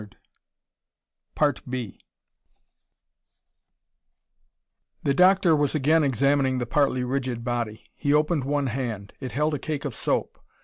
The doctor was again examining the partly rigid body. He opened one hand; it held a cake of soap.